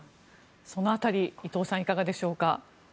その辺り伊藤さん、いかがでしょうか。